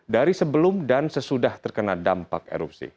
dari sebelum dan sesudah terkena dampak erupsi